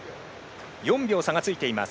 ４秒差がついています。